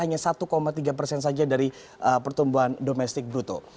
hanya satu tiga persen saja dari pertumbuhan domestik bruto